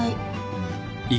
うん。